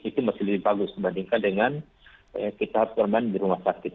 itu masih lebih bagus dibandingkan dengan kita harus korban di rumah sakit